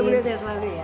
bunda sehat selalu ya